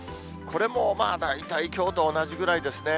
これもまあ、大体きょうと同じぐらいですね。